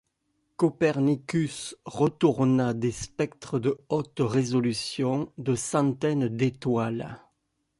Copernicus retourna des spectres de haute résolution de centaines d'étoiles.